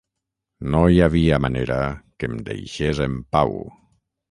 No hi havia manera que em deixés en pau.